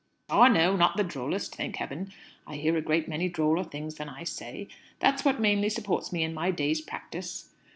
"Ah, no; not the drollest! Thank Heaven, I hear a great many droller things than I say! That's what mainly supports me in my day's practice."